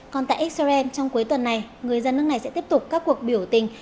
còn tại israel trong cuối tuần này người dân nước này sẽ tiếp tục các cuộc biểu tình